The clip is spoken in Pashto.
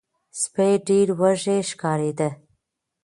سپی ډیر وږی ښکاریده.